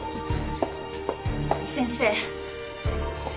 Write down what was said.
先生。